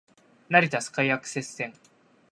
成田スカイアクセス線